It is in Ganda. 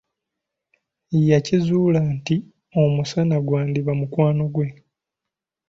Yakizuula nti omusana gwandiba mukwano gwe.